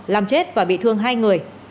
làm chết và bị thương hai người